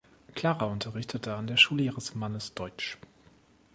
Clara unterrichtete an der Schule ihres Mannes Deutsch.